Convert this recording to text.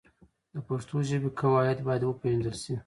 د پښتو ژبې قواعد باید وپېژندل سي.